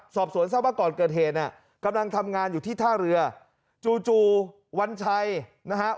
สอบส่วนเกิดเฮลกำลังทำงานอยู่ที่ท่าเรือจูวันชัยนะครับ